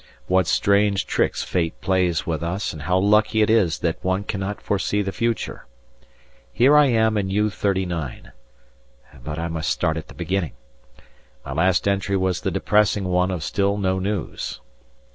What strange tricks fate plays with us, and how lucky it is that one cannot foresee the future. Here I am in U.39 but I must start at the beginning. My last entry was the depressing one of still no news.